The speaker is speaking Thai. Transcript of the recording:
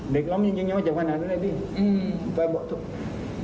เด็กเราจริงยังไม่เจ็บขนาดนั้นนี่พี่